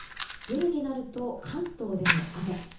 夜になると関東でも雨。